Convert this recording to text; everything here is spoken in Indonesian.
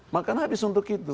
makan habis untuk itu